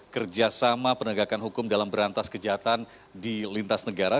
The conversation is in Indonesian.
kerjasama penegakan hukum dalam berantas kejahatan di lintas negara